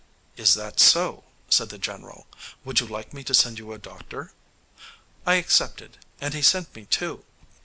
'Is that so?' said the general. 'Would you like me to send you a doctor?' I accepted, and he sent me two.